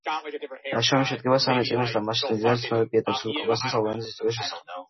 ნაშრომი შედგება სამი წიგნისაგან, მასში მდიდარი ცნობებია დაცული კავკასიის ალბანეთის ისტორიის შესახებ.